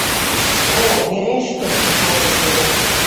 — О, верештым! — мане тудо.